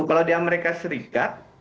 kalau di amerika serikat